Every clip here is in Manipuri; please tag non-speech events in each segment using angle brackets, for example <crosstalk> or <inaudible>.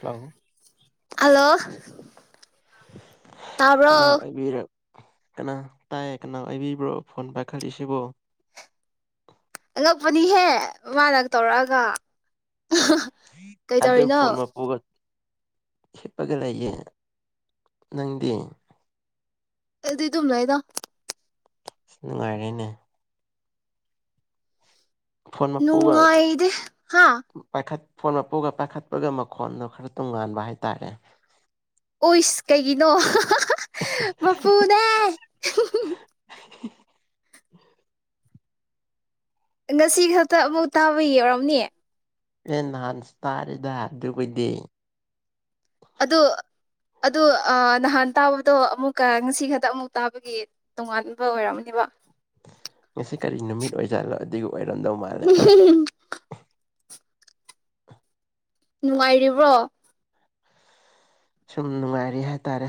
ꯍꯂꯣ ꯍꯂꯣ <unintelligible> ꯀꯅꯥ ꯑꯣꯏꯕꯤꯔꯦ ꯀꯅꯥ ꯇꯥꯏꯌꯦ ꯀꯅꯥ ꯍꯥꯏꯕꯤꯕ꯭ꯔꯣ ꯐꯣꯟ ꯄꯥꯏꯈꯠꯂꯤꯁꯤꯕꯣ ꯑꯉꯛꯄꯅꯤꯍꯦ ꯃꯃꯥꯅ ꯇꯧꯔꯛꯑꯒ ꯑꯗ ꯀꯩꯗꯧꯔꯤꯅꯣ ꯐꯣꯟꯒ ꯍꯤꯞꯄꯒ ꯂꯩꯌꯦ ꯅꯪꯗꯤ ꯑꯗꯨꯗꯤ ꯑꯗꯨꯝꯅꯏꯗ ꯑꯁ ꯅꯨꯡꯉꯥꯏꯔꯦꯅꯦ ꯐꯣꯟ ꯃꯄꯨꯒ ꯅꯨꯉꯥꯏꯗ ꯍꯥꯥ ꯄꯥꯏꯈꯠ ꯐꯣꯟ ꯃꯄꯨꯒ ꯄꯥꯏꯈꯠꯄꯒ ꯃꯈꯣꯟꯗꯣ ꯈꯔ ꯇꯣꯉꯥꯟꯕ ꯍꯥꯏꯇꯥꯔꯦ ꯑꯣꯏꯁ ꯀꯩꯒꯤꯅꯣ ꯃꯄꯨꯗ <unintelligible> ꯉꯁꯤ ꯈꯛꯇ ꯑꯃꯨꯛ ꯇꯥꯕ ꯌꯧꯔꯝꯅꯦ ꯄꯟꯍꯥꯟꯁ ꯇꯥꯔꯤꯗ ꯗꯕꯩꯗꯤ ꯑꯗꯨ ꯑꯗꯨ ꯅꯍꯥꯟ ꯇꯥꯕꯗꯣ ꯑꯃꯨꯛꯀ ꯉꯁꯤ ꯈꯛꯇ ꯑꯃꯨꯛ ꯇꯥꯕꯒꯤ ꯇꯣꯉꯥꯟꯕ ꯑꯣꯏꯔꯝꯅꯦꯕ ꯉꯁꯤ ꯀꯔꯤ ꯅꯨꯃꯤꯠ ꯑꯣꯏꯖꯥꯠꯂꯣ ꯑꯗꯨ ꯑꯣꯏꯔꯃꯗꯧ ꯃꯥꯜꯂꯦ ꯅꯨꯡꯉꯥꯏꯔꯤꯕ꯭ꯔꯣ ꯁꯨꯝ ꯅꯨꯡꯉꯥꯏꯔ ꯍꯥꯏꯇꯥꯔꯦ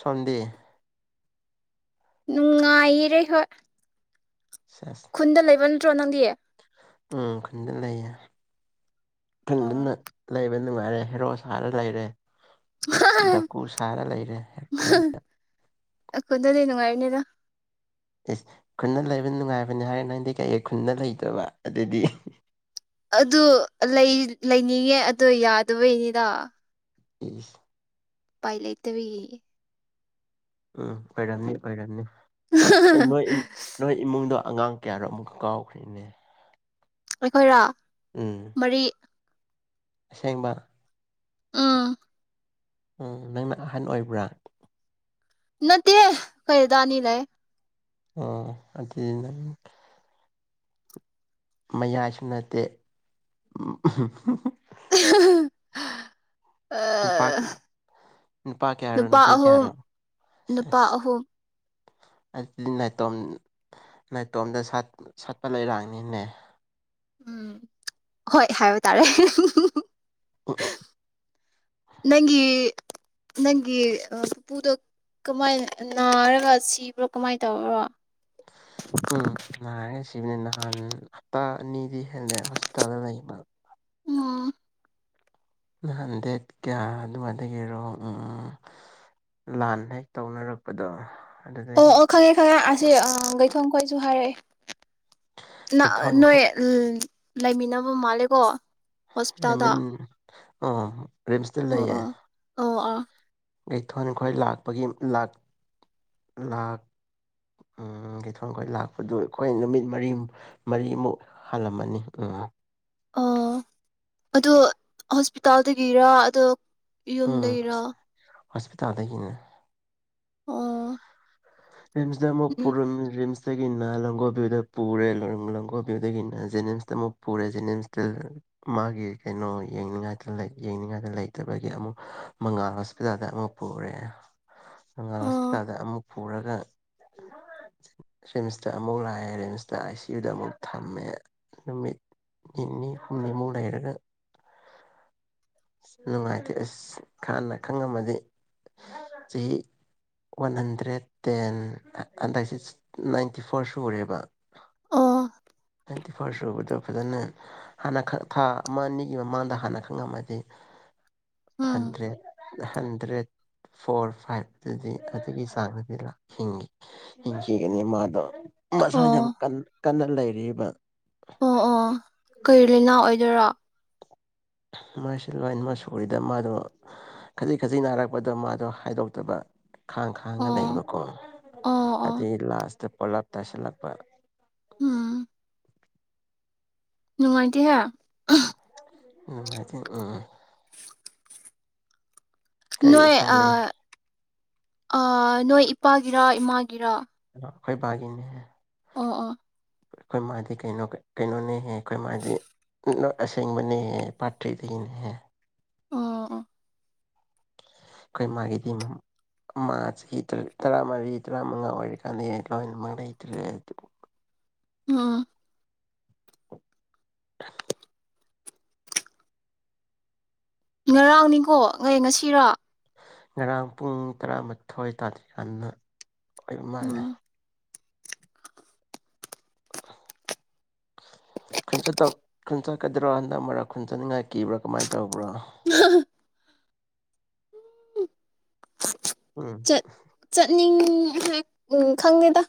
ꯁꯣꯟꯗꯦ ꯅꯨꯡ ꯉꯥꯏꯌꯦ ꯍꯣꯏ ꯁꯦꯁ ꯈꯨꯟꯗ ꯂꯩꯕ ꯇꯔꯣ ꯉꯪꯗꯤ ꯎꯝ ꯈꯨꯟꯗ ꯂꯩꯌꯦ ꯐꯅ ꯂꯩꯥꯏꯕ ꯅꯨꯡꯉꯥꯏꯔꯦ ꯍꯦꯔꯣ ꯁꯥꯔ ꯂꯩꯔꯦ ꯗꯀꯨ ꯁꯥꯔ ꯂꯩꯔꯦ ꯈꯨꯟꯗ ꯑꯩꯈꯣꯏꯗꯗꯤ ꯅꯨꯡꯉꯥꯏꯔꯤꯅꯤꯗ ꯑꯦꯁ ꯈꯨꯟꯅ ꯂꯩꯕ ꯅꯨꯡꯉꯥꯏꯕꯅꯤ ꯍꯥꯏꯔꯦ ꯅꯪꯗꯤ ꯀꯩꯑ ꯈꯨꯟꯅ ꯂꯩꯗꯕ ꯑꯗꯨꯗꯤ ꯑꯗꯨ ꯂꯩꯅꯤꯡꯉꯦ ꯑꯣ ꯌꯥꯗꯕꯩꯅꯤꯗ ꯎ ꯄꯥꯏ ꯂꯩꯇꯕꯤ ꯎꯝ ꯑꯣꯏꯔꯝꯅꯤ ꯑꯣꯏꯔꯃꯅꯤ ꯅꯣꯏ ꯅꯣꯏ ꯏꯃꯨꯡꯗ ꯑꯉꯥꯡ ꯀꯌꯥꯗꯣ ꯑꯃꯨꯛ ꯀꯥꯎꯈ꯭ꯔꯦꯅꯦ ꯑꯩꯈꯣꯏꯔ ꯎꯝ ꯁꯦꯡꯕ ꯎꯝ ꯎꯝ ꯅꯪꯅ ꯑꯍꯟ ꯑꯣꯏꯕ꯭ꯔꯥ ꯅꯠꯇꯦ ꯑꯈꯣꯏ ꯗꯥ ꯗꯥ ꯑꯅꯤ ꯂꯩ ꯑꯣ ꯑꯗꯨ ꯅ ꯃꯌꯥꯏꯁꯨ ꯅꯠꯇꯦ ꯑ ꯅꯨꯄꯥ ꯅꯨꯄꯥ ꯀꯌꯥ ꯍꯥꯏꯔꯣ ꯅꯨꯄꯥ ꯅꯨꯄꯤ ꯀꯌꯥ ꯑꯍꯨꯝ ꯍꯥꯏꯔꯣꯁ ꯅꯨꯄꯥ ꯑꯍꯨꯝ ꯑꯗꯨꯗꯤ ꯅꯥꯏꯇꯣꯝ ꯅꯥꯏꯇꯣꯝꯗ ꯁꯥꯠꯄ ꯂꯩꯔꯥꯡꯅꯤꯅꯦ ꯎꯝ ꯍꯣꯏ ꯍꯥꯏꯕ ꯇꯥꯔꯦ ꯅꯪꯒꯤ ꯅꯪꯒꯤ ꯄꯨꯗꯣ ꯀꯃꯥꯏꯅ ꯅꯥꯔꯒ ꯁꯤꯕ꯭ꯔꯣ ꯀꯃꯥꯏꯅ ꯇꯧꯕꯔꯣ ꯎꯝ ꯅꯔꯒꯁꯤꯕꯅꯦ ꯅꯍꯥꯟ ꯍꯞꯇꯥ ꯑꯅꯤꯗꯤ ꯍꯦꯜꯂꯦ ꯍꯣꯁꯄꯤꯇꯥꯜꯗ ꯂꯩꯕ ꯎꯝ ꯅꯍꯥꯟ ꯗꯦꯠ ꯀꯌꯥ ꯑꯗꯨꯃꯥꯏ ꯂꯩꯔꯣ ꯎꯝ ꯂꯥꯟ ꯍꯦꯛ ꯇꯧꯅꯔꯛꯄꯗꯣ ꯑꯣ ꯑꯗꯨꯗꯒꯤ ꯑꯣ ꯈꯪꯉꯦ ꯈꯪꯉꯦ ꯑ ꯁꯤ ꯒꯩꯊꯣꯡ ꯈꯣꯏꯁꯨ ꯍꯥꯏꯔꯛꯑꯦ ꯅ ꯀꯩꯊꯣꯟ ꯅꯣꯏ ꯈꯣꯏ ꯎꯝ ꯂꯩꯃꯤꯟꯅꯕ ꯃꯥꯜꯂꯦꯀꯣ ꯍꯣꯁꯄꯤꯇꯥꯜꯗ ꯑ‌ꯦꯗꯃꯤꯟ ꯑꯥ ꯔꯤꯝꯁꯇ ꯑꯣ ꯂꯩꯌꯦ ꯑꯣ ꯑꯣ ꯑꯣ ꯀꯩꯊꯣꯟ ꯈꯈꯣꯏ ꯂꯥꯛꯄꯒꯤ ꯂ ꯂꯥꯛ ꯎ ꯀꯩꯊꯣꯟ ꯈꯈꯣꯏ ꯂꯥꯛꯄꯗꯨ ꯑꯩꯈꯣꯏ ꯅꯨꯃꯤꯠ ꯃꯔꯤ ꯃꯔꯤꯃꯨꯛ ꯍꯜꯂꯝꯃꯅꯤ ꯎꯝ ꯑꯣ ꯑꯗꯣ ꯍꯣꯁꯄꯤꯇꯥꯜꯗꯒꯤꯔ ꯑꯗꯣ ꯎꯝ ꯌꯨꯝꯗꯒꯤꯔꯣ ꯍꯣꯁꯄꯤꯇꯥꯜꯗꯒꯤꯅꯦ ꯑꯣ ꯔꯤꯁ꯭ꯃ ꯗ ꯀꯃꯨꯛ ꯎꯝ ꯄꯨꯔꯝꯃꯤ ꯔꯤꯁ꯭ꯃ ꯒꯤꯅ ꯂꯣꯡꯒꯣ ꯚꯌꯨꯗ ꯄꯨꯔꯦ ꯂꯣꯡꯒꯣ ꯚꯌꯨꯗꯒꯤꯅ ꯖꯦꯅꯤꯝꯁꯇ ꯑꯃꯨꯛ ꯄꯨꯔꯦ ꯖꯦꯅꯤꯝꯁꯇ ꯃꯥꯒꯤ ꯀꯩꯅꯣ ꯌꯦꯡꯅꯤꯡꯉꯥꯏꯇ ꯌꯦꯡꯅꯤꯡꯉꯥꯏꯗ ꯂꯩꯇꯕꯒꯤ ꯑꯃꯨꯛ ꯃꯉꯥꯜ ꯍꯣꯁꯄꯤꯇꯥꯜꯗ ꯑꯃꯨꯛ ꯄꯨꯔꯦ ꯍꯪ ꯑꯣ ꯑꯁꯄꯤꯗꯗ ꯄꯨꯔꯛ ꯈ ꯔꯤꯝ꯭ꯁꯇ ꯑꯃꯨꯛ ꯂꯥꯛꯑꯦ ꯔꯤꯝ꯭ꯁꯇ ꯑꯥꯏ ꯁꯤ ꯌꯨꯗ ꯑꯃꯨꯛ ꯊꯝꯃꯦ ꯅꯨꯃꯤꯠ ꯅꯤꯅꯤ ꯍꯨꯝꯅꯤꯃꯨꯛ ꯂꯩꯔꯒ ꯑꯁ ꯅꯨꯡꯉꯥꯏꯇꯦ ꯑꯁ ꯍꯥꯟꯅ ꯈꯪꯉꯝꯃꯗꯤ ꯆꯍꯤ ꯋꯥꯟ ꯍꯟꯗ꯭ꯔꯦꯠ ꯇꯦꯟ ꯍꯟꯗꯛꯁꯦ ꯅꯥꯏꯟꯇꯤ ꯐꯣꯔ ꯁꯨꯔꯦꯕ ꯑ ꯇꯅꯥꯋꯏꯟꯇꯤ ꯐꯥꯔꯁ ꯁꯨꯕꯗꯣ ꯐꯖꯅ ꯍꯥꯟꯅ ꯊꯥ ꯑꯃ ꯑꯅꯤꯒꯤ ꯃꯃꯥꯡꯗ ꯍꯥꯟꯅ ꯈꯪꯉꯝꯃꯗꯤ ꯎꯝ ꯍꯗ꯭ꯔꯦ ꯍꯟꯗ꯭ꯔꯦꯠ ꯐꯣꯔ ꯐꯥꯏꯚ ꯑꯗꯨꯗꯤ ꯑꯗꯨꯒꯤ ꯆꯥꯡꯗꯗꯤ ꯍꯤꯡꯈꯤ ꯍꯤꯡꯈꯤꯒꯅꯤ ꯃꯥꯗꯣ ꯃꯁꯥꯖ ꯑꯣ ꯀꯟ ꯀꯟꯅ ꯂꯩꯔꯤ <unintelligible> ꯑꯣ ꯑꯣ ꯀꯩ ꯂꯤꯅꯥ ꯑꯣꯏꯗꯣꯏꯔꯣ ꯃꯥꯁꯤ ꯂꯣꯏꯃꯛ ꯁꯨꯔꯤꯗ ꯃꯥꯗꯣ ꯈꯖꯤꯛ ꯈꯖꯤꯛ ꯅꯥꯔꯛꯄꯗꯣ ꯃꯥꯗꯣ ꯍꯥꯏꯗꯣꯛꯇꯕ ꯈꯥꯡ ꯈꯥꯡꯒ ꯂꯩꯕꯀꯣ ꯑꯣ ꯑꯣ ꯑꯗꯩ ꯂꯥꯁꯇ ꯄꯣꯂꯥꯞ ꯇꯥꯁꯤꯜꯂꯛꯄ ꯅꯨꯡꯉꯥꯏꯇꯍꯦ ꯎꯝ ꯍꯥꯏꯗꯤ ꯎꯝ ꯀꯔꯤ ꯅ‌ꯣꯏ ꯎꯄꯥꯏ ꯑ ꯂꯩ ꯑ ꯅꯣꯏ ꯏꯄꯥꯒꯤꯔꯥ ꯏꯃꯥꯒꯤꯔꯥ ꯑꯩꯈ‌ꯣꯏ ꯄꯒꯤꯅ‌ꯦ ꯑꯣ ꯑꯣ ꯑꯩꯈꯣꯏ ꯃꯥꯗꯤ ꯀꯩꯅ ꯀꯩꯅꯣꯅꯤꯍꯦ ꯑꯩꯈꯣꯏ ꯃꯥꯗꯤ ꯑꯁꯦꯡꯕꯅꯦꯍꯦ ꯄꯥꯇ꯭ꯔꯤꯗꯒꯤꯅꯦꯍꯦ ꯑꯣ ꯑꯩꯈꯣꯏ ꯃꯥꯒꯤꯗꯤ ꯃꯥ ꯆꯍꯤ ꯇꯔꯥꯃꯔꯤ ꯇꯔꯥꯃꯉꯥ ꯑꯣꯏꯔꯤꯀꯥꯟꯗ ꯂꯣꯏꯅꯃꯛ ꯂꯩꯇ꯭ꯔꯦ ꯑꯗꯨ ꯑꯝ ꯉꯔꯥꯡꯅꯤꯀꯣ ꯉꯣꯏ ꯉꯁꯤꯔꯥ ꯉꯔꯥꯡ ꯄꯨꯡ ꯇꯔꯥꯃꯊꯣꯏ ꯇꯥꯗ ꯌꯥꯝꯥꯟꯅ ꯑꯩ ꯏꯃꯥꯅ‌ꯦ ꯎꯝ ꯈꯨꯟꯆꯠꯀꯗ꯭ꯔꯣ ꯍꯟꯗꯛ ꯃꯔꯛ ꯈꯨꯟꯖꯅꯤꯡꯉꯥꯏ ꯀꯤꯕ꯭ꯔꯥ ꯀꯃꯥꯏꯅ ꯇꯧꯕ ꯄꯨꯔꯥ <unintelligible> ꯑ ꯎꯝ ꯎꯝ ꯈꯪꯉꯦꯗ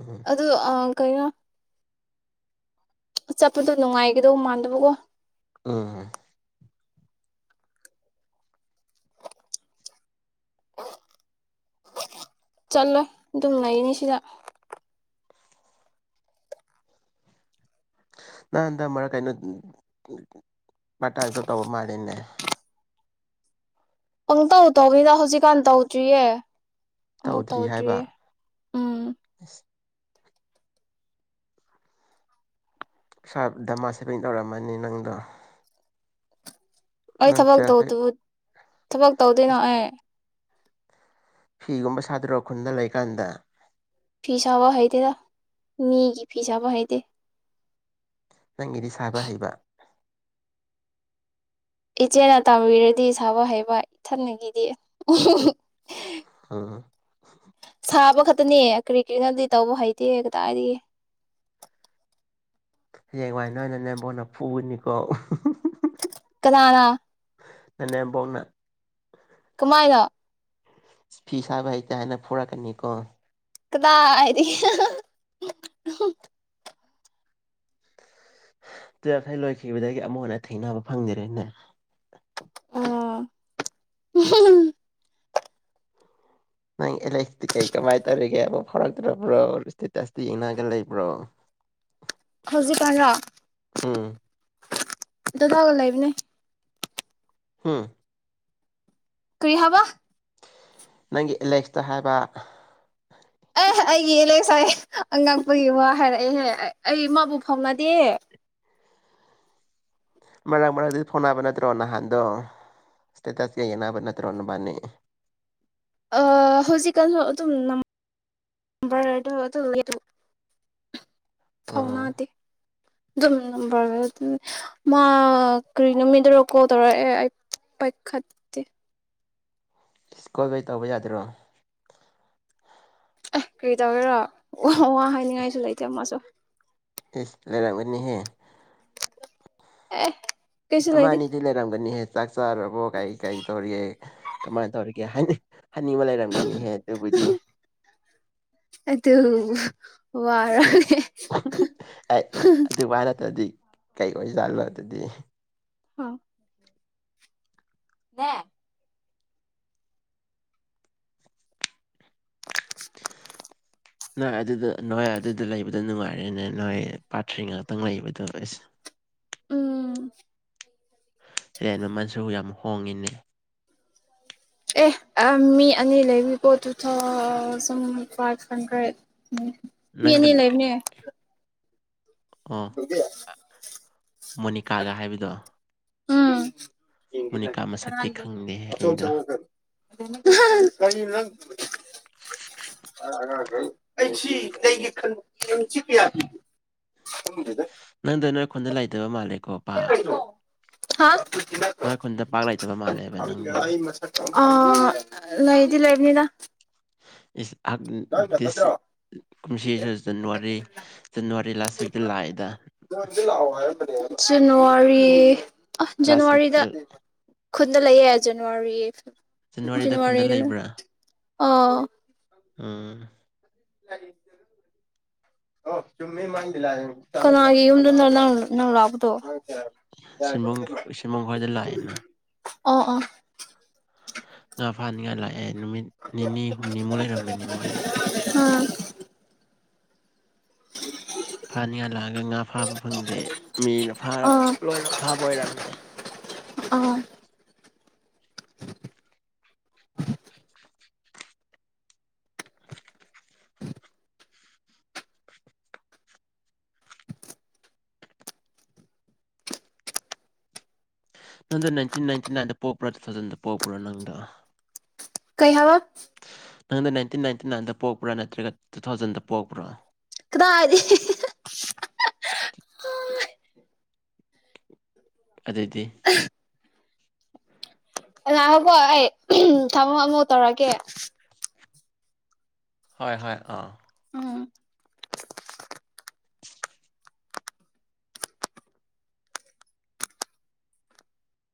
ꯎꯝ ꯑꯗ ꯑ ꯀꯌꯥ ꯆꯠꯄꯗꯣ ꯅꯨꯡꯉꯥꯏꯒꯗꯧ ꯃꯥꯟꯗꯕꯀꯣ ꯎ ꯆꯠꯂꯣ ꯑꯗꯨꯝ ꯂꯩꯅꯤ ꯁꯤꯗ ꯅꯪꯟꯗ ꯃꯔꯛ ꯀꯩꯅꯣ ꯃꯇꯥꯡꯁꯨ ꯇꯧꯕ ꯃꯥꯜꯂꯤꯦꯅꯦ ꯄꯪ ꯇꯧ ꯇꯧꯅꯤꯗ ꯍꯧꯖꯤꯛꯀꯥꯟ ꯇꯧꯁꯨꯨꯌꯦ ꯑꯃꯨꯛ ꯇꯧꯗ꯭ꯔꯤ ꯍꯥꯏꯕ ꯇꯧꯗ꯭ꯔꯤꯌꯦ ꯎꯝ ꯏꯁ ꯏꯁꯥ ꯗꯃ ꯁꯦꯄꯤꯡ ꯇꯧꯔꯝꯃꯅꯤ ꯅꯪꯗꯣ ꯑꯩꯣꯏ ꯅꯪ ꯊꯕꯒ ꯇꯨꯋꯦꯜꯐ ꯍꯦꯛ ꯇꯧꯗ ꯊꯕꯛ ꯇꯧꯗꯣꯏꯅꯣ ꯑꯦ ꯐꯤꯒꯨꯝꯕ ꯁꯥꯗꯔꯒ ꯈꯨꯟꯗ ꯂꯩꯀꯥꯟꯗ ꯐꯤꯁꯥꯕ ꯍꯩꯗꯦꯗ ꯃꯤꯒꯤ ꯐꯤꯁꯥꯕ ꯍꯩꯗꯦ ꯅꯪꯒꯤꯗꯤ ꯁꯥꯕ ꯍꯩꯕ ꯏꯆꯦꯅ ꯇꯝꯕꯤꯔꯗꯤ ꯁꯥꯕ ꯍꯩꯕ ꯏꯊꯅꯒꯤꯗꯤ ꯑ ꯁꯥꯕ ꯈꯛꯇꯅꯦ ꯀ꯭ꯔꯤ ꯀꯛꯅꯗꯤ ꯇꯧꯕ ꯍꯩꯇꯦ ꯀꯗꯥꯗꯤ ꯍꯌꯦꯡꯋꯥꯏ ꯅ ꯑꯣꯏꯅ ꯅꯦꯝꯕꯣꯟꯅ ꯐꯨꯏꯅꯤꯀꯣ ꯀꯗꯥꯅ ꯅꯦ ꯐꯥꯎꯅ ꯀꯃꯥꯏꯅ ꯐꯤ ꯁꯥꯕ ꯍꯩꯇ ꯍꯥꯏꯅ ꯐꯣꯔꯛꯀꯅꯤ ꯀꯣ ꯀꯗꯥꯏꯗꯒꯤ <unintelligible> ꯇꯨꯋꯦꯜꯐ ꯍ ꯂꯣꯏꯈꯤꯕꯗꯒꯤ ꯑꯃꯨꯛ ꯍꯟꯅ ꯊꯦꯡꯅꯕ ꯐꯪꯗꯔꯦꯅꯦ ꯑ ꯅꯪ ꯑꯦꯂꯦꯛꯇꯤ ꯀꯩ ꯀꯃꯥꯏꯅ ꯇꯧꯔꯤꯒꯦ ꯍꯥꯏꯕ ꯐꯥꯎꯔꯛꯇ꯭ꯔꯕ꯭ꯔꯣ ꯏꯁꯇꯦꯇꯁꯇꯤ ꯌꯦꯡꯉꯒ ꯂꯩꯕ꯭ꯔꯣ ꯎꯝ ꯏꯗ ꯊꯒ ꯂꯩꯕꯅꯦ ꯍꯥꯝ ꯀꯔꯤ ꯍꯥꯏꯕ ꯅꯪꯒꯤ ꯑꯦꯂꯦꯛꯁꯇ ꯍꯥꯏꯕ ꯑ ꯑꯩꯦꯂ ꯉꯁꯥꯏ ꯑꯉꯛꯄꯒꯤ ꯋꯥ ꯍꯥꯏꯔꯛꯑꯦꯍꯦ ꯑꯩꯃꯕꯨ ꯐꯥꯎꯅꯗꯦ ꯃꯔꯛ ꯃꯔꯛꯇꯗꯤ ꯐꯣꯟ ꯅꯥꯕ ꯅꯠꯇ꯭ꯔꯣ ꯅꯍꯥꯟꯗꯣ ꯏꯁꯇꯦꯇꯁꯀ ꯌꯦꯅꯥꯕ ꯅꯠꯇ꯭ꯔꯣꯅ ꯃꯥꯅꯤ ꯍꯧꯖꯤꯛꯀꯥꯟ ꯑꯗꯨꯝꯝꯕ ꯐꯥꯎ ꯎꯝ ꯃꯥꯗꯦ ꯑꯗꯨꯝꯔ ꯃꯥ ꯀꯔꯤ ꯅꯨꯃꯤꯗꯔꯣ ꯀꯣꯜ ꯇꯧꯔꯛꯑꯦ ꯑꯩ ꯄꯥꯏꯈꯠꯇꯦ ꯁꯀꯨꯜꯗꯩ ꯇꯧꯕ ꯌꯥꯗꯣꯏꯔꯣ ꯀꯔꯤ ꯇꯧꯒꯦꯔꯣ ꯋꯥ ꯍꯥꯏꯅꯤꯡꯉꯥꯏꯁꯨ ꯂꯩꯇꯦ ꯃꯥꯁꯨ ꯏꯁ ꯂꯔꯥ ꯑꯃꯅꯤꯅꯤ ꯍꯥꯏ ꯑ ꯃꯥꯅꯤꯗꯤ ꯂꯩꯔꯝꯒꯅꯤ ꯍꯥꯏ ꯆꯥꯔꯕꯣ ꯀꯩ ꯀꯔꯤ ꯇꯧꯔꯤꯒꯦ ꯀꯃꯥꯏꯅ ꯇꯧꯔꯤꯒꯦ ꯍꯥꯏꯅꯤꯡ ꯍꯅꯤꯡꯕ ꯂꯩꯔꯝꯒꯅꯤꯍꯦ ꯑꯗꯨꯕꯨꯗꯤ ꯑꯗꯣ ꯋꯥꯔꯅꯦꯦ ꯀꯩꯀ ꯑꯣꯏꯖꯥꯠꯂꯣ ꯑꯗꯨꯗꯤ ꯍꯥ ꯅ ꯅ ꯑꯗꯨꯗ ꯅꯨꯡꯉꯥꯏ ꯑꯗꯨꯗ ꯂꯩꯕꯗ ꯅꯨꯡꯉꯥꯏ ꯐꯔꯅꯦ ꯅꯣꯏ ꯄꯥꯊ꯭ꯔꯤ ꯉꯥꯛꯇꯪ ꯂꯩꯕꯗꯣꯁ ꯎꯝ ꯍꯦꯟ ꯃꯃꯜꯁꯨ ꯌꯥꯝ ꯍꯣꯡꯉꯤꯅꯦ ꯑꯦ ꯃꯤ ꯑꯅꯤ ꯂꯩꯕꯤꯕꯣ ꯇꯨ ꯊꯥꯎ ꯁꯨꯝ ꯐꯥꯏꯚ ꯍꯟꯗ꯭ꯔꯦꯠ ꯎ ꯃꯤ ꯅꯪꯒ ꯑꯅꯤ ꯂꯩꯕꯅꯦ ꯑꯣ ꯕꯤ ꯃꯣꯅꯤꯀꯥꯒ ꯍꯥꯏꯕꯗꯣ ꯃꯣꯅꯤꯀꯥ ꯃꯁꯛꯇꯤ ꯈꯪꯗꯦꯍꯦ ꯑꯩꯗꯣ <unintelligible> ꯀꯔꯤ ꯅꯪ ꯑꯩꯁꯤ <unintelligible> ꯅꯒꯤ ꯈꯟ ꯆꯤ ꯅꯪꯗ ꯅꯣꯏ ꯈꯨꯟꯗ ꯂꯩꯇꯕ ꯃꯥꯜꯂꯦ ꯀꯣꯄꯥ ꯍꯥ ꯅꯣꯏ ꯈꯨꯟꯗ ꯄꯥꯛ ꯂꯩꯇꯕ ꯃꯥꯜꯂꯦꯕ ꯅꯪꯗꯣ ꯑꯥ ꯂꯩꯗꯤ ꯂꯩꯕꯅꯤꯗ ꯏꯁ <unintelligible> ꯀꯨꯝꯁꯤꯁꯨ ꯖꯅꯋꯥꯔꯤ ꯖꯅꯋꯥꯔꯤ ꯂꯥꯁ ꯋꯤꯛꯇ ꯂꯥꯛꯑꯦꯗ ꯖꯅꯋꯥꯔꯤ ꯑ ꯂꯥꯁ ꯖꯅꯋꯥꯔꯤꯗ ꯋꯤꯛꯇ ꯈꯨꯟꯗ ꯂꯩꯌꯦ ꯖꯅꯋꯥꯔꯤ ꯖꯅꯋꯥꯔꯤꯗ ꯈꯨꯟꯗ ꯖꯅꯋꯥꯔꯤꯗꯔ ꯂꯩꯕ꯭ꯔꯥ ꯑꯥ ꯎꯝ <unintelligible> ꯀꯅꯥꯒꯤ ꯌꯨꯝꯗꯨꯗ ꯅꯪ ꯅꯪ ꯂꯥꯛꯄꯗꯣ ꯁꯤꯟꯕꯪ ꯁꯤꯟꯕꯪ ꯈ‌ꯣꯏꯗ ꯂꯥꯛꯑꯦꯅ ꯑꯣ ꯑꯣ ꯉꯥ ꯐꯥꯅꯤꯡꯉꯥꯏ ꯂꯥꯛꯑꯦ ꯅꯨꯃꯤꯠ ꯅꯤꯅꯤ ꯍꯨꯝꯅꯤꯃꯨꯛ ꯂꯩꯔꯝꯒꯅꯤ ꯃꯣꯏꯗ ꯑꯥ <unintelligible> ꯐꯥꯅꯤꯡꯉ ꯂꯥꯛꯑꯒ ꯉꯥ ꯐꯥꯕ ꯐꯪꯗꯦ ꯃꯤꯅ ꯐꯥꯔ ꯑꯥ ꯂꯣꯏꯅ ꯐꯥꯕ ꯑꯣꯏꯔꯝꯃꯦ ꯑꯣꯥ ꯅꯪꯗ‌ꯣ ꯅꯥꯏꯟꯇꯤꯟ ꯅꯥꯏꯟꯇꯤ ꯅꯥꯟꯗ ꯄ‌ꯣꯛꯄ꯭ꯔꯣ ꯇꯨ ꯊꯥꯎꯖꯟꯗ ꯄ‌ꯣꯛꯄ꯭ꯔꯣ ꯅꯪꯗꯣ ꯀꯩ ꯍꯥꯏꯚ ꯅꯪꯅ ꯅꯥꯏꯟꯇꯤꯟ ꯅꯥꯏꯟꯇꯤ ꯅꯥꯏꯟꯗ ꯄꯣꯛꯄ꯭ꯔꯥ ꯅꯠꯇ꯭ꯔꯒ ꯇꯨ ꯊꯥꯎꯖꯟꯗ ꯄꯣꯛꯄ꯭ꯔꯥ ꯀꯗꯥꯏꯗꯩ <unintelligible> ꯑꯗꯨꯑꯣꯏꯗꯤ ꯉꯥꯏꯈ‌ꯣꯀ‌ꯣ ꯑꯩ ꯊꯝꯃꯣ ꯑꯃꯨꯛ ꯇꯧꯔꯛꯀ‌ꯦ ꯍꯣꯏ ꯍꯣꯏ ꯑꯥ ꯎꯝ